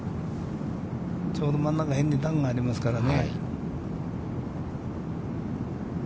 ちょうど真ん中辺に段がありますからね。